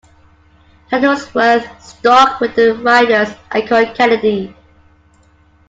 Shuttlesworth stuck with the Riders and called Kennedy.